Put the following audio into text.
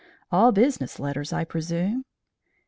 All business letters, I presume?"